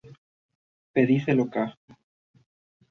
Pedicelo ca.